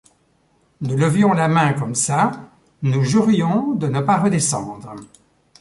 Nous levions la main comme ça, nous jurions de ne pas redescendre...